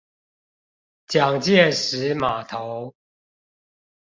蔣介石碼頭